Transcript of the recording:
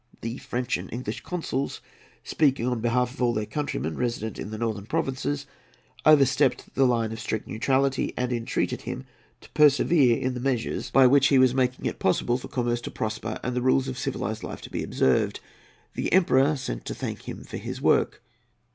The French and English consuls, speaking on behalf of all their countrymen resident in the northern provinces, overstepped the line of strict neutrality, and entreated him to persevere in the measures by which he was making it possible for commerce to prosper and the rules of civilized life to be observed. The Emperor sent to thank him for his work.